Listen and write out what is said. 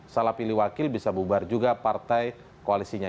salah pilih wakil bisa bubar juga partai koalisinya